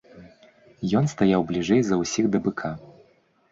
Ён стаяў бліжэй за ўсіх да быка.